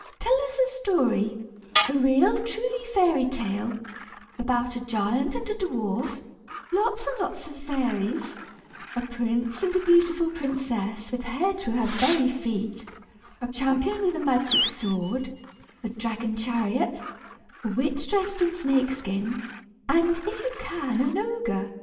"Tell us a story a 'real, truly' fairy tale, about a giant and a dwarf, lots and lots of fairies, a prince and a beautiful princess with hair to her very feet, a champion with a magic sword, a dragon chariot, a witch dressed in snake skin and, if you can, an ogre.